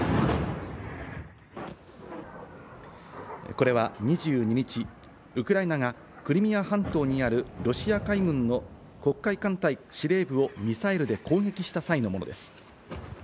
これは２２日、ウクライナがクリミア半島にあるロシア海軍の黒海艦隊司令部をミサイルで攻撃した際のものです。